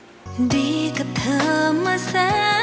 อินโทรเพลงที่๓มูลค่า๔๐๐๐๐บาทมาเลยครับ